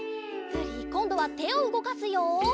こんどはてをうごかすよ。